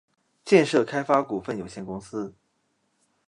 建设开发股份有限公司